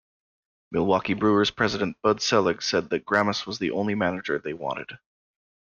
Milwaukee Brewers President Bud Selig said that Grammas was the only manager they wanted.